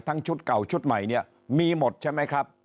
ชุดเก่าชุดใหม่เนี่ยมีหมดใช่ไหมครับ